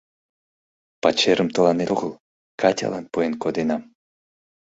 Пачерым тыланет огыл, Катялан пуэн коденам.